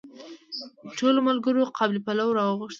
ټولو ملګرو قابلي پلو راوغوښتل.